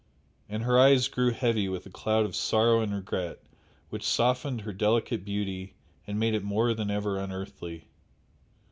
And her eyes grew heavy with a cloud of sorrow and regret which softened her delicate beauty and made it more than ever unearthly.